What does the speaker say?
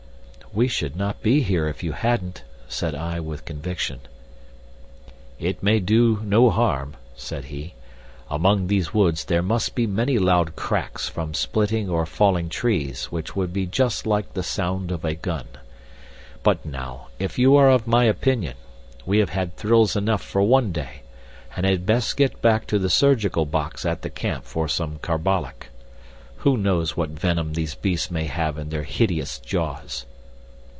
"We should not be here if you hadn't," said I, with conviction. "It may do no harm," said he. "Among these woods there must be many loud cracks from splitting or falling trees which would be just like the sound of a gun. But now, if you are of my opinion, we have had thrills enough for one day, and had best get back to the surgical box at the camp for some carbolic. Who knows what venom these beasts may have in their hideous jaws?"